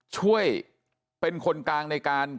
ช่วยเป็นคนกลางในการ